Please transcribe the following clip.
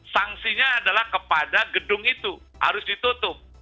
sanksinya adalah kepada gedung itu harus ditutup